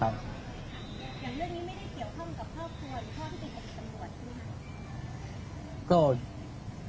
อย่างเรื่องนี้ไม่ได้เกี่ยวข้างกับพ่อครัวหรือพ่อผู้ติดตัดสมบวนหรือ